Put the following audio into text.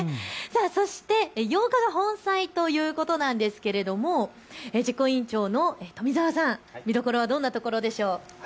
そして８日が本祭ということなんですが実行委員長の富澤さん、見どころはどんなところでしょうか。